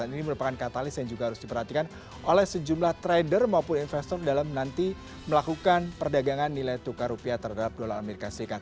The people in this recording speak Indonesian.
ini merupakan katalis yang juga harus diperhatikan oleh sejumlah trader maupun investor dalam nanti melakukan perdagangan nilai tukar rupiah terhadap dolar as